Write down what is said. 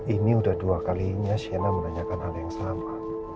ini udah dua kalinya shena menanyakan hal yang sama